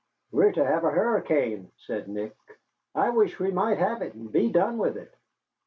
"We're to have a hurricane," said Nick. "I wish we might have it and be done with it."